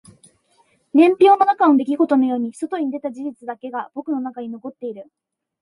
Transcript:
年表の中の出来事のように外に出た事実だけが僕の中に残っている